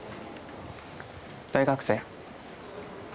大学生？